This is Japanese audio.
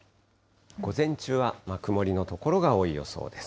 午前中は曇りの所が多い予想です。